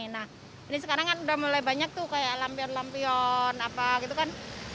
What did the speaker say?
nah ini sekarang kan udah mulai banyak tuh kayak lampion lampion apa gitu kan